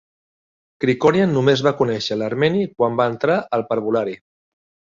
Krikorian només va conèixer l'armeni quan va entrar al parvulari.